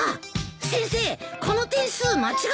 先生この点数間違ってませんか？